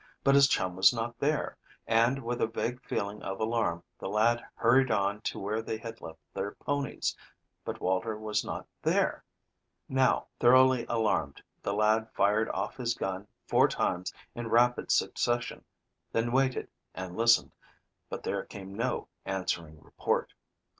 But his chum was not there, and, with a vague feeling of alarm, the lad hurried on to where they had left their ponies, but Walter was not there. Now thoroughly alarmed, the lad fired off his gun four times in rapid succession, then waited and listened, but there came no answering report.